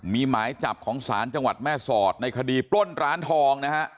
มีหมายจับของศาลจังหวัดแม่สอดในคดีปล้นร้านทองนะฮะ